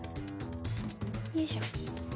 よいしょ。